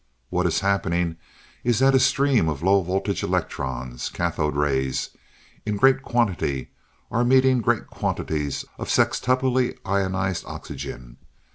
What is happening is that a stream of low voltage electrons cathode rays in great quantity are meeting great quantities of sextuply ionized oxygen.